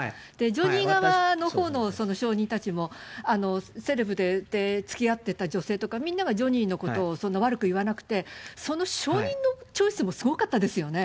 ジョニー側のほうの証人たちも、セレブでつきあってた女性とか、みんながジョニーのことをそんな悪く言わなくて、その証人のチョイスもすごかったですよね。